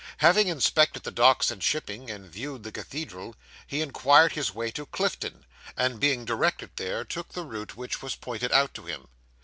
Having inspected the docks and shipping, and viewed the cathedral, he inquired his way to Clifton, and being directed thither, took the route which was pointed out to him.